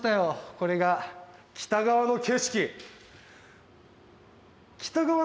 これが北側の景色。